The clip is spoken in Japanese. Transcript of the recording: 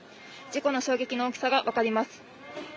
事故の衝撃の大きさが分かります。